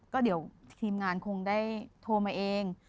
ก็เดี๋ยวทีมงานคงได้โทรมาเอง